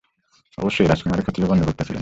অবশ্য এই রাজকুমারী ক্ষত্রিয়বর্ণভুক্তা ছিলেন।